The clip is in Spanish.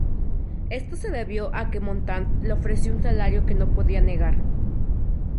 Esto se debió a que Montand le ofreció un salario que no podía negar.